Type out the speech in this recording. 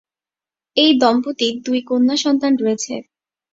এই দম্পতির দুই কন্যা সন্তান রয়েছে।